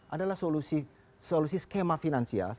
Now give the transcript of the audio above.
adalah solusi skema finansial